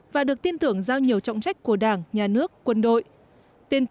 và được tin tưởng giao nhiều trọng trách của đảng nhà nước quân đội